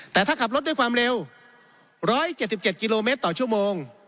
แต่ถ้าขับรถด้วยความเร็ว๑๗๗กิโลเมตรต่อชั่วโมง